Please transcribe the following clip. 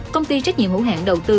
công ty trách nhiệm hữu hạng đầu tư